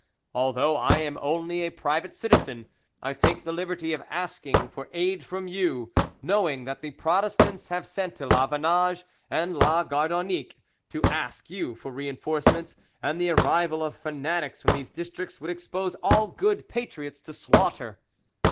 Although I am only a private citizen, I take the liberty of asking for aid from you, knowing that the Protestants have sent to La Vannage and La Gardonninque to ask you for reinforcements, and the arrival of fanatics from these districts would expose all good patriots to slaughter.